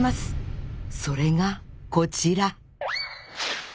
それがこちら！